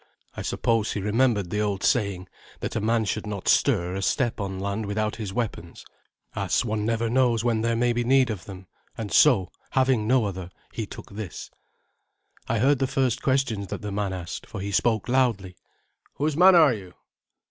I suppose he remembered the old saying, that a man should not stir a step on land without his weapons, as one never knows when there may be need of them; and so, having no other, he took this. I heard the first questions that the man asked, for he spoke loudly. "Whose man are you?"